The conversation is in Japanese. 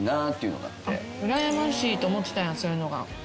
うらやましいと思ってたんやそういうのが。